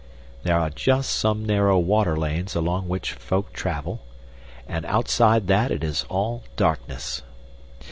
There are just some narrow water lanes along which folk travel, and outside that it is all darkness.